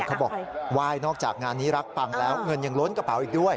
เขาบอกไหว้นอกจากงานนี้รักปังแล้วเงินยังล้นกระเป๋าอีกด้วย